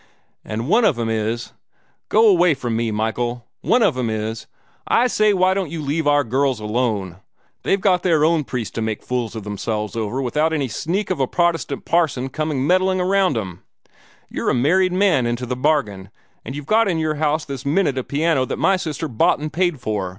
"And one of 'em is go away from me, Michael! one of 'em is, I say, why don't you leave our girls alone? They've got their own priests to make fools of themselves over, without any sneak of a Protestant parson coming meddling round them. You're a married man into the bargain; and you've got in your house this minute a piano that my sister bought and paid for.